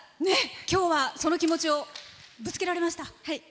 今日は、その気持ちをぶつけられましたか。